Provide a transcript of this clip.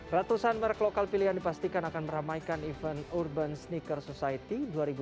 ratusan merek lokal pilihan dipastikan akan meramaikan event urban sneaker society dua ribu dua puluh